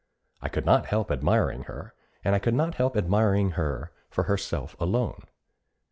I could not help admiring her, and I could not help admiring her for herself alone.